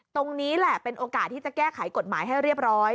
ตรงนี้แหละเป็นโอกาสที่จะแก้ไขกฎหมายให้เรียบร้อย